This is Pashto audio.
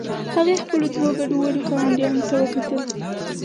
هغې خپلو دوو ګډوډو ګاونډیانو ته وکتل